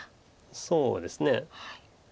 そうですね。